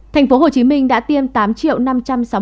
thành phố hồ chí minh đã tiêm